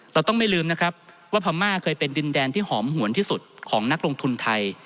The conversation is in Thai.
เราต้องไม่ลืมนะครับว่าพม่าเคยเป็นดินแดนที่หอมหวนที่สุดของนักลงทุนไทย